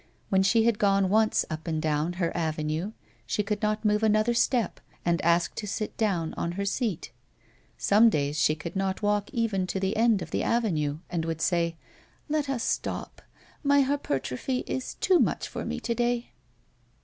When she had gone once up and down "her" avenue, she could not move another step and asked to sit down on " her " seat. Some days she could not walk even to the end of the avenue and would say ;" Let us stop ; my hypertrophy is too much for me to day."